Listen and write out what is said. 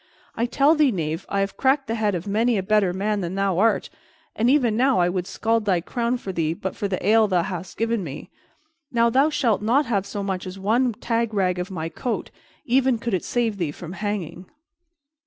I tell thee, knave, I have cracked the head of many a better man than thou art, and even now I would scald thy crown for thee but for the ale thou hast given me. Now thou shalt not have so much as one tag rag of my coat, even could it save thee from hanging."